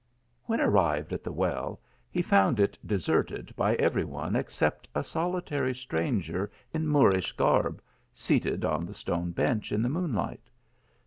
When arrived at the well, he found it deserted by every one except a solitary stranger in Moorish garb, seated on the stone bench in the moonlight.